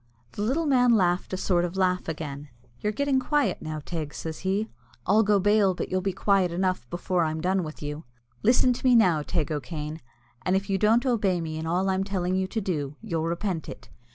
The little man laughed a sort of laugh again. "You're getting quiet now, Teig," says he. "I'll go bail but you'll be quiet enough before I'm done with you. Listen to me now, Teig O'Kane, and if you don't obey me in all I'm telling you to do, you'll repent it.